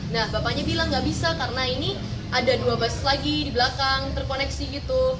nah bapaknya bilang nggak bisa karena ini ada dua basis lagi di belakang terkoneksi gitu